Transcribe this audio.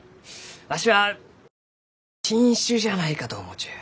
わしは新種じゃないかと思うちゅう。